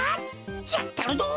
やったるぞ！